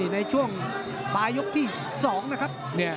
ในช่วงปลายยกที่๒นะครับ